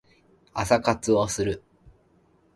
朝活をする